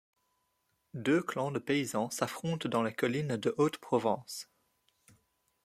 Deux clans de paysans s'affrontent dans les collines de Haute-Provence.